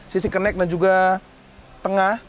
sisi kenek dan juga tengah